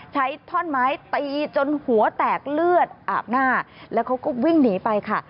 ท่อนไม้ตีจนหัวแตกเลือดอาบหน้าแล้วเขาก็วิ่งหนีไปค่ะ